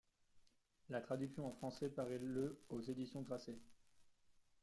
La traduction en français paraît le aux éditions Grasset.